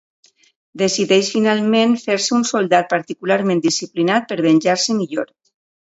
Decideix finalment fer-se un soldat particularment disciplinat per venjar-se millor.